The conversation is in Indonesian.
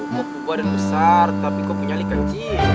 kok ke badan besar tapi kok penyalikan sih